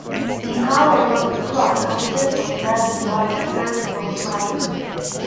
The colours of the club consist of red and white vertical stripes.